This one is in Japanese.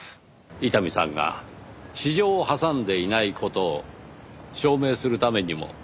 伊丹さんが私情を挟んでいない事を証明するためにも。